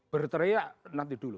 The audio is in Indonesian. berteriak nanti dulu